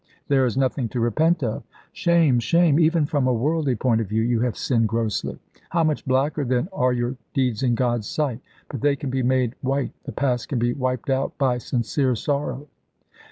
"There is nothing to repent of." "Shame! shame! Even from a worldly point of view you have sinned grossly; how much blacker, then, are your deeds in God's sight! But they can be made white; the past can be wiped out by sincere sorrow."